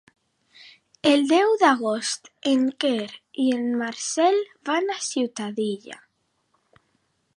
El deu d'agost en Quer i en Marcel van a Ciutadilla.